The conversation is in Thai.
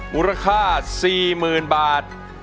บุราคา๔๐๐๐๐บาท